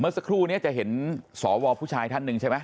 สักครู่นี้จะเห็นสวผู้ชายท่านหนึ่งใช่ไหม